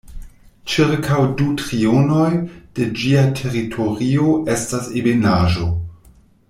Ĉirkaŭ du trionoj de ĝia teritorio estas ebenaĵo.